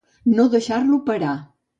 No deixar-lo parar.